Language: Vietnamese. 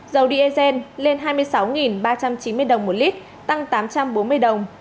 dầu diesel lên hai mươi sáu ba trăm chín mươi đồng một lít tăng tám trăm bốn mươi đồng